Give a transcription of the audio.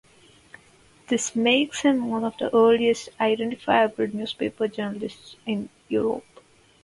This makes him one of the earliest identifiable newspaper journalists in Europe.